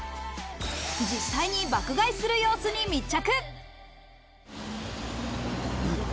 実際に爆買いする様子に密着。